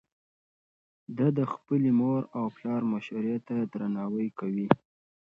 ده د خپلې مور او پلار مشورې ته درناوی کوي.